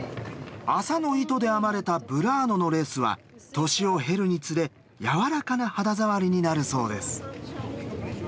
麻の糸で編まれたブラーノのレースは年を経るにつれやわらかな肌触りになるそうです。